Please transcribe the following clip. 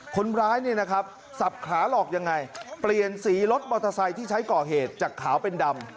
คนร้ายเนี่ยนะครับสับขาหลอกยังไงเปลี่ยนสีรถมอเตอร์ไซค์ที่ใช้ก่อเหตุจากขาวเป็นดำ